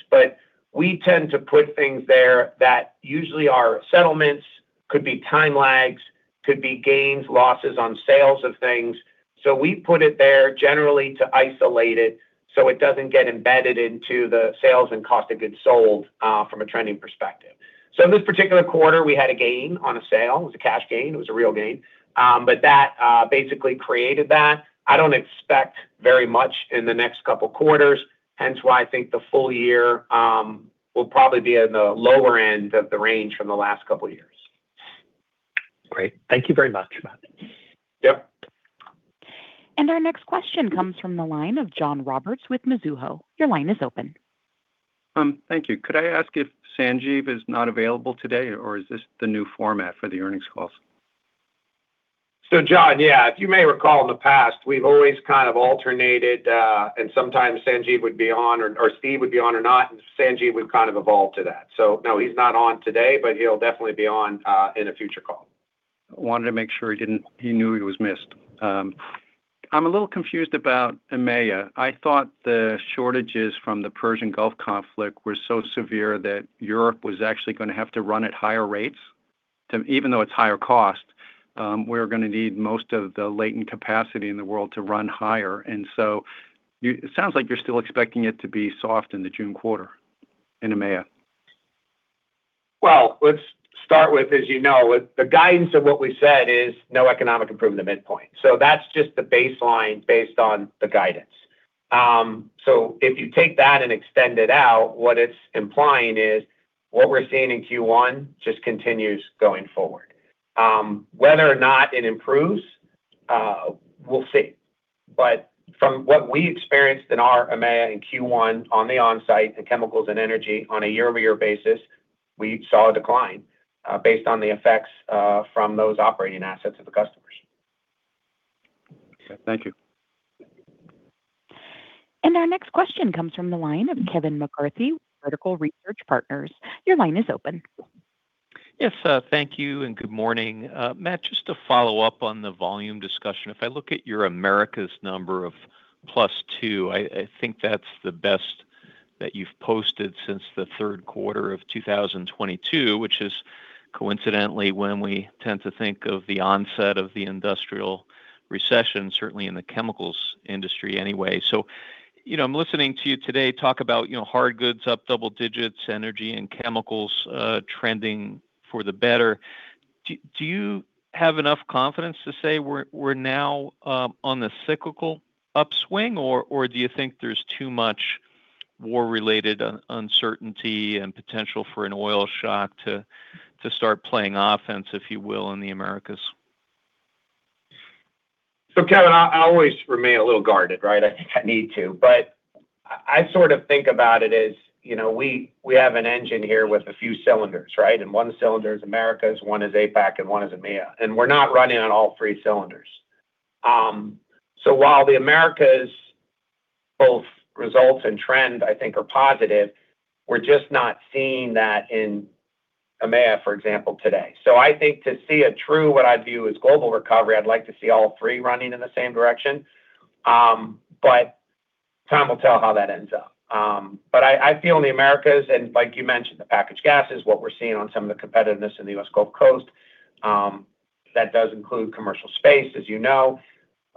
We tend to put things there that usually are settlements, could be time lags, could be gains, losses on sales of things. We put it there generally to isolate it so it doesn't get embedded into the sales and cost of goods sold from a trending perspective. In this particular quarter, we had a gain on a sale. It was a cash gain, it was a real gain. That basically created that. I don't expect very much in the next couple quarters, hence why I think the full year will probably be in the lower end of the range from the last couple years. Great. Thank you very much. Yep. Our next question comes from the line of John Roberts with Mizuho. Your line is open. Thank you. Could I ask if Sanjiv is not available today, or is this the new format for the earnings calls? John, yeah, if you may recall in the past, we've always kind of alternated, and sometimes Sanjiv would be on or Steve would be on or not, and Sanjiv would kind of evolve to that. No, he's not on today, but he'll definitely be on in a future call. Wanted to make sure he knew he was missed. I'm a little confused about EMEA. I thought the shortages from the Persian Gulf conflict were so severe that Europe was actually gonna have to run at higher rates to, even though it's higher cost, we're gonna need most of the latent capacity in the world to run higher. It sounds like you're still expecting it to be soft in the June quarter in EMEA. Let's start with, as you know, with the guidance of what we said is no economic improvement at midpoint. If you take that and extend it out, what it's implying is, what we're seeing in Q1 just continues going forward. Whether or not it improves, we'll see. From what we experienced in our EMEA in Q1 on the onsite, the chemicals and energy on a year-over-year basis, we saw a decline based on the effects from those operating assets of the customers. Thank you. Our next question comes from the line of Kevin McCarthy, Vertical Research Partners. Your line is open. Yes, thank you and good morning. Matt, just to follow up on the volume discussion. If I look at your Americas number of +2%, I think that's the best that you've posted since the third quarter of 2022, which is coincidentally when we tend to think of the onset of the industrial recession, certainly in the chemicals industry anyway. You know, I'm listening to you today talk about, you know, hard goods up double digits, energy and chemicals trending for the better. Do you have enough confidence to say we're now on the cyclical upswing, or do you think there's too much war-related uncertainty and potential for an oil shock to start playing offense, if you will, in the Americas? Kevin, I always remain a little guarded, right? I think I need to. I sort of think about it as, you know, we have an engine here with a few cylinders, right? One cylinder is Americas, one is APAC, and one is EMEA. We're not running on all three cylinders. While the Americas both results and trend, I think are positive, we're just not seeing that in EMEA, for example, today. I think to see a true what I view as global recovery, I'd like to see all three running in the same direction. Time will tell how that ends up. I feel in the Americas, and like you mentioned, the packaged gas is what we're seeing on some of the competitiveness in the U.S. Gulf Coast. That does include commercial space, as you know.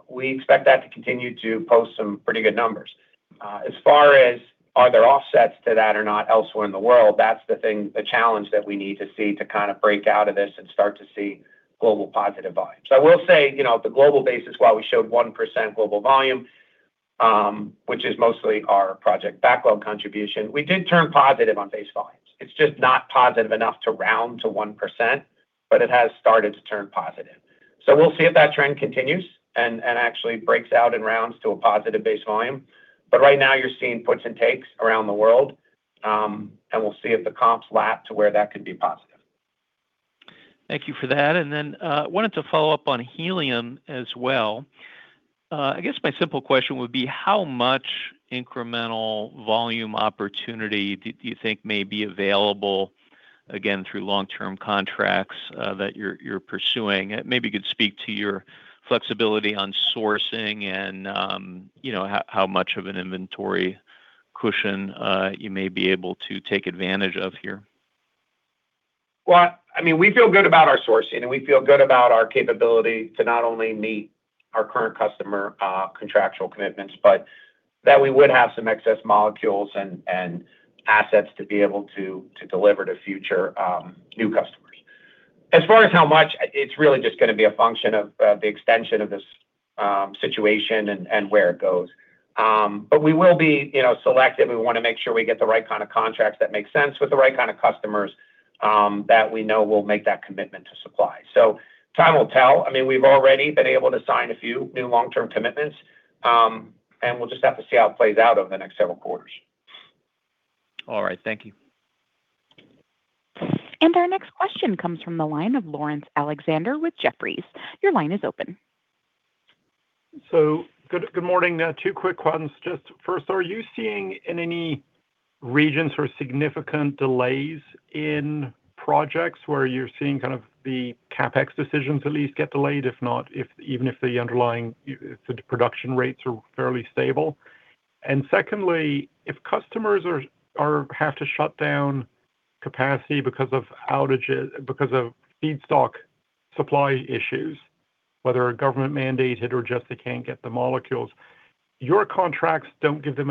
We expect that to continue to post some pretty good numbers. As far as are there offsets to that or not elsewhere in the world, that's the thing, the challenge that we need to see to kind of break out of this and start to see global positive volumes. I will say, you know, at the global basis, while we showed 1% global volume, which is mostly our project backlog contribution, we did turn positive on base volumes. It's just not positive enough to round to 1%, but it has started to turn positive. We'll see if that trend continues and actually breaks out and rounds to a positive base volume. Right now you're seeing puts and takes around the world, and we'll see if the comps lap to where that could be positive. Thank you for that. Then, I wanted to follow up on helium as well. I guess my simple question would be how much incremental volume opportunity do you think may be available, again, through long-term contracts, that you're pursuing? You could speak to your flexibility on sourcing and, you know, how much of an inventory cushion, you may be able to take advantage of here? Well, I mean, we feel good about our sourcing, we feel good about our capability to not only meet our current customer, contractual commitments, but that we would have some excess molecules and assets to be able to deliver to future, new customers. As far as how much, it's really just gonna be a function of the extension of this, situation and where it goes. We will be, you know, selective. We wanna make sure we get the right kind of contracts that make sense with the right kind of customers, that we know will make that commitment to supply. Time will tell. I mean, we've already been able to sign a few new long-term commitments, we'll just have to see how it plays out over the next several quarters. All right. Thank you. Our next question comes from the line of Laurence Alexander with Jefferies. Your line is open. Good morning. Two quick ones. Just first, are you seeing in any regions or significant delays in projects where you're seeing kind of the CapEx decisions at least get delayed? If not, even if the underlying production rates are fairly stable. Secondly, if customers have to shut down capacity because of outages because of feedstock supply issues, whether government mandated or just they can't get the molecules, your contracts don't give them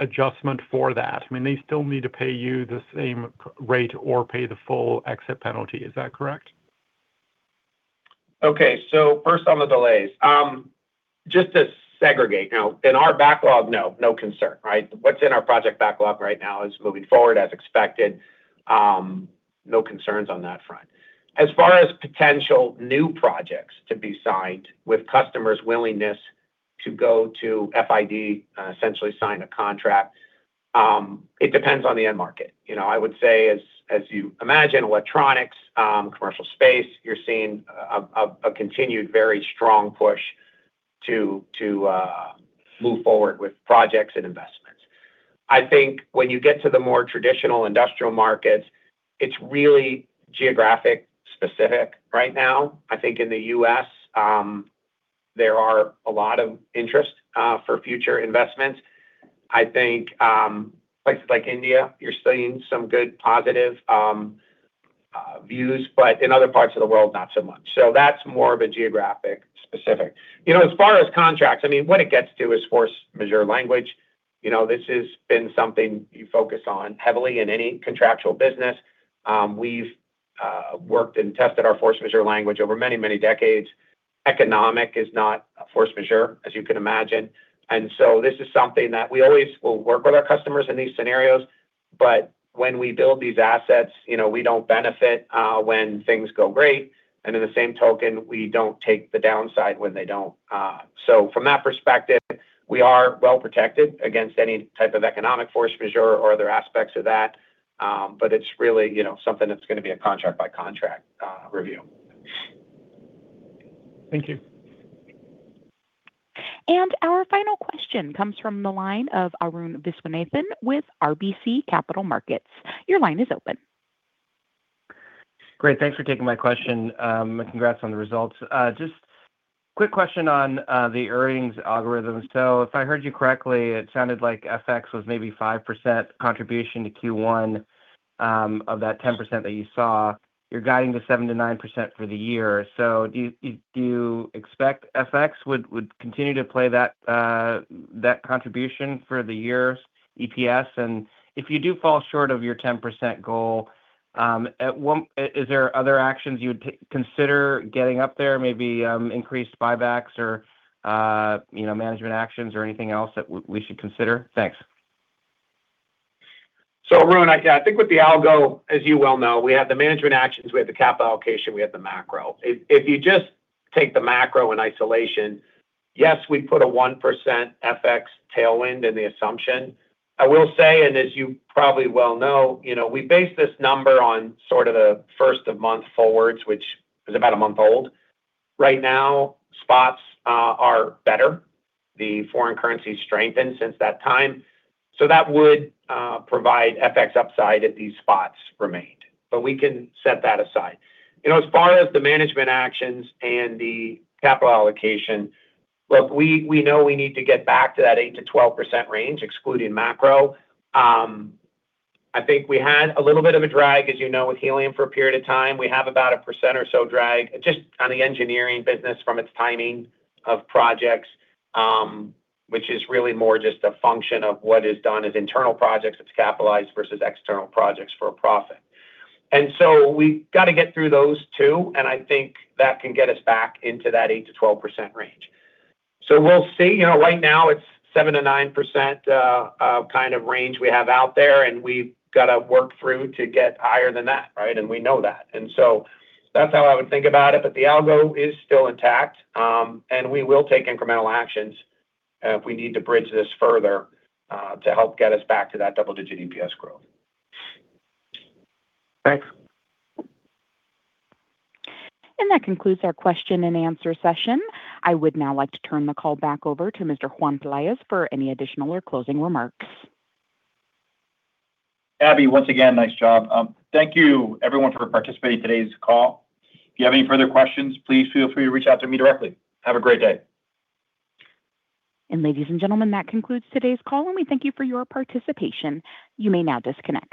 any adjustment for that. I mean, they still need to pay you the same rate or pay the full exit penalty. Is that correct? First on the delays. Just to segregate. In our backlog, no concern, right? What's in our project backlog right now is moving forward as expected. No concerns on that front. As far as potential new projects to be signed with customers' willingness to go to FID, essentially sign a contract, it depends on the end market. You know, I would say as you imagine, electronics, commercial space, you're seeing a continued very strong push to move forward with projects and investments. I think when you get to the more traditional industrial markets, it's really geographic specific right now. I think in the U.S., there are a lot of interest for future investments. I think places like India, you're seeing some good positive views, but in other parts of the world, not so much. That's more of a geographic specific. You know, as far as contracts, I mean, when it gets to is force majeure language, you know, this has been something you focus on heavily in any contractual business. We've worked and tested our force majeure language over many decades. Economic is not a force majeure, as you can imagine. This is something that we always will work with our customers in these scenarios, but when we build these assets, you know, we don't benefit when things go great, and in the same token, we don't take the downside when they don't. From that perspective, we are well protected against any type of economic force majeure or other aspects of that. It's really, you know, something that's gonna be a contract by contract review. Thank you. Our final question comes from the line of Arun Viswanathan with RBC Capital Markets. Your line is open. Great. Thanks for taking my question. Congrats on the results. Just quick question on the earnings algorithms. If I heard you correctly, it sounded like FX was maybe 5% contribution to Q1 of that 10% that you saw. You're guiding the 7%-9% for the year. Do you expect FX would continue to play that contribution for the year's EPS? If you do fall short of your 10% goal, is there other actions you'd consider getting up there, maybe, increased buybacks or, you know, management actions or anything else that we should consider? Thanks. Arun, I think with the algo, as you well know, we have the management actions, we have the capital allocation, we have the macro. If you just take the macro in isolation, yes, we put a 1% FX tailwind in the assumption. I will say, and as you probably well know, you know, we base this number on sort of the first of month forwards, which is about a month old. Right now, spots are better. The foreign currency strengthened since that time. That would provide FX upside if these spots remained. We can set that aside. You know, as far as the management actions and the capital allocation, look, we know we need to get back to that 8%-12% range, excluding macro. I think we had a little bit of a drag, as you know, with helium for a period of time. We have about 1% or so drag just on the engineering business from its timing of projects, which is really more just a function of what is done as internal projects that's capitalized versus external projects for a profit. We gotta get through those two, and I think that can get us back into that 8%-12% range. We'll see. You know, right now it's 7%-9% kind of range we have out there, and we've gotta work through to get higher than that, right? We know that. That's how I would think about it, but the algo is still intact. We will take incremental actions, if we need to bridge this further, to help get us back to that double-digit EPS growth. Thanks. That concludes our question and answer session. I would now like to turn the call back over to Mr. Juan Pelaez for any additional or closing remarks. Abby, once again, nice job. Thank you everyone for participating in today's call. If you have any further questions, please feel free to reach out to me directly. Have a great day. Ladies and gentlemen, that concludes today's call, and we thank you for your participation. You may now disconnect.